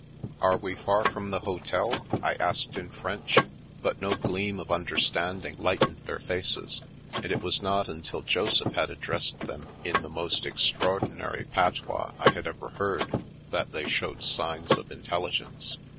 " Are we far from the hotel? " I asked in French, but no gleam of understanding lightened their faces ; and it was not until Joseph had addressed them in the most extraordinary patois I had ever heard, that they showed signs of intelligence.